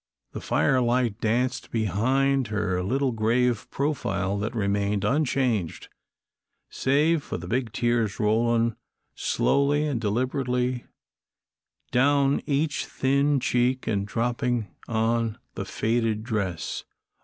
The firelight danced behind her little, grave profile that remained unchanged, save for the big tears rolling slowly and deliberately down each thin cheek and dropping on the faded dress.